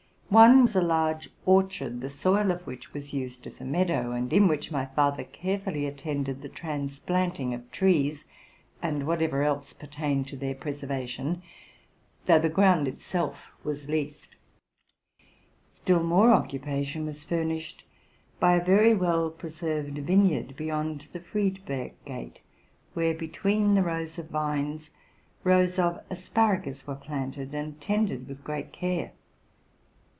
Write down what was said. One was 2 large orchard, the soil of which was used as a meadow, RELATING TO MY LIFE. 129 and in which my father carefully attended the transplanting of trees, and whatever else pertained to their preservation ; though the ground itself was leased. Still more occupation was furnished by a very well preserved vineyard beyond the Friedberg gate, where, between the rows of vines, rows of asparagus were planted and tended with great care.